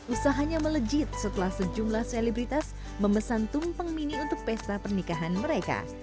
usahanya melejit setelah sejumlah selebritas memesan tumpeng mini untuk pesta pernikahan mereka